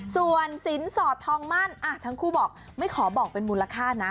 ส่วนสินสอดทองมั่นทั้งคู่บอกไม่ขอบอกเป็นมูลค่านะ